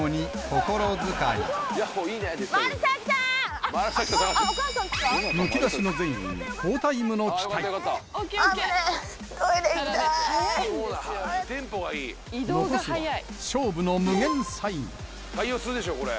残すは勝負の無限サイン対応するでしょこれ。